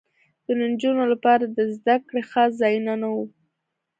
د نجونو لپاره د زدکړې خاص ځایونه نه وو